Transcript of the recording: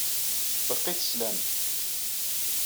Beqqit sslam.